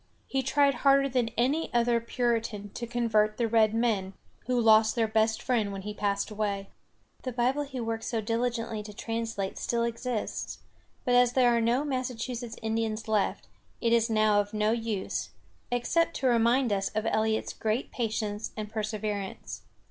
He tried harder than any other Puritan to convert the red men, who lost their best friend when he passed away. The Bible he worked so diligently to translate still exists; but as there are no Massachusetts Indians left, it is now of no use, except to remind us of Eliot's great patience and perseverance.